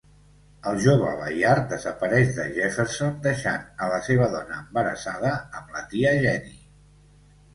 El jove Bayard desapareix de Jefferson deixant a la seva dona embarassada amb la tia Jenny.